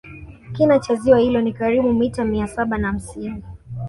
Kina cha ziwa hilo ni karibu meta mia saba na hamsini